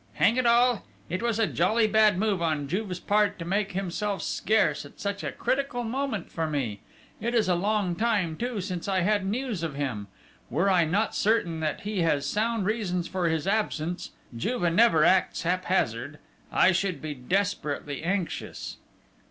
Hang it all! It was a jolly bad move on Juve's part to make himself scarce at such a critical moment for me!... It is a long time, too, since I had news of him! Were I not certain that he has sound reasons for his absence Juve never acts haphazard I should be desperately anxious!"